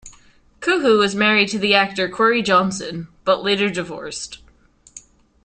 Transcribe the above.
Cohu was married to the actor Corey Johnson, but later divorced.